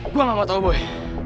gue gak mau tahu boy